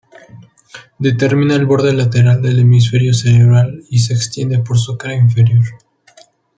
Determina el borde lateral del hemisferio cerebral y se extiende por su cara inferior.